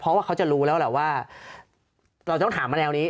เพราะว่าเขาจะรู้แล้วแหละว่าเราต้องถามมาแนวนี้